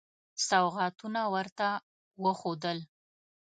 سوغاتونه ورته وښودل.